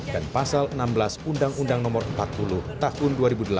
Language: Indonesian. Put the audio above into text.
dan pasal enam belas undang undang no empat puluh tahun dua ribu delapan